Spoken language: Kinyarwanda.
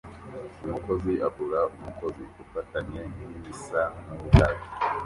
Umukozi akurura umugozi ufatanye nkibisa nkubwato